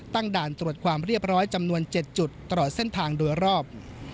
ด่านตรวจความเรียบร้อยจำนวน๗จุดตลอดเส้นทางโดยรอบ